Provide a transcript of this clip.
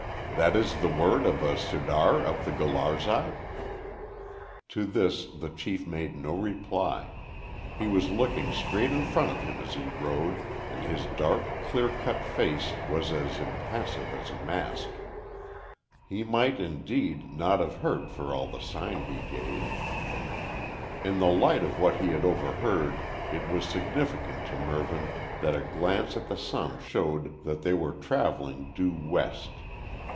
"That is the word of a Sirdar of the Gularzai?" To this the chief made no reply. He was looking straight in front of him as he rode, and his dark, clear cut face was as impassive as a mask. He might, indeed, not have heard for all the sign he gave. In the light of what he had overheard it was significant to Mervyn that a glance at the sun showed that they were travelling due west.